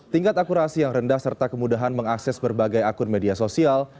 tingkat akurasi yang rendah serta kemudahan mengakses berbagai akun media sosial